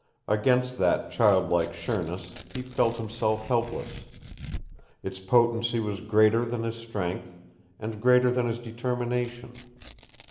Against that child like sureness he felt himself helpless. Its potency was greater than his strength and greater than his determination.